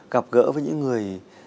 gặp gỡ với những người